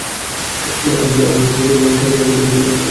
আমার মনের শান্তি আমাকে শক্তি দিল শক্ত একটা জবাব দেওয়ার জন্য।